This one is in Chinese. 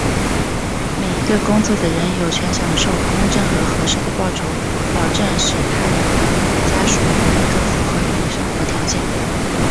每一个工作的人,有权享受公正和合适的报酬,保证使他本人和家属有一个符合人的生活条件,必要时并辅以其他方式的社会保障。